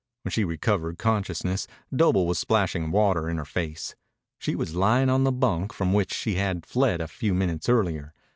When she recovered consciousness Doble was splashing water in her face. She was lying on the bunk from which she had fled a few minutes earlier.